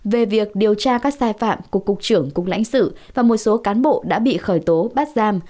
về việc điều tra các sai phạm của cục trưởng cục lãnh sự và một số cán bộ đã bị khởi tố bắt giam